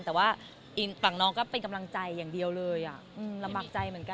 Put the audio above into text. แต่ว่าอีกฝั่งน้องก็เป็นกำลังใจอย่างเดียวเลยลำบากใจเหมือนกัน